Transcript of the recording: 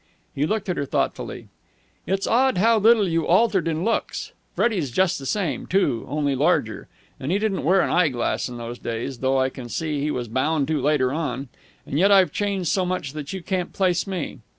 He looked at her thoughtfully. "It's odd how little you've altered in looks. Freddie's just the same, too, only larger. And he didn't wear an eye glass in those days, though I can see he was bound to later on. And yet I've changed so much that you can't place me.